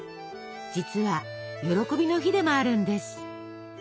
実は喜びの日でもあるんです。